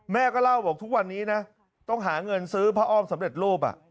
แม่ก็เล่าบอกทุกวันนี้นะต้องหาเงินซื้อพระอ้อมสำเร็จรูป